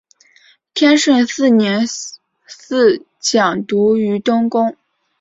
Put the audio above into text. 天顺四年侍讲读于东宫。